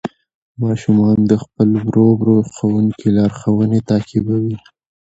ماشومان د خپل ورو ورو ښوونکي لارښوونې تعقیبوي